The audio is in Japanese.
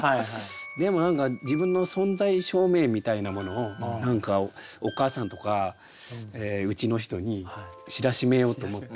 でも何か自分の存在証明みたいなものをお母さんとかうちの人に知らしめようと思って。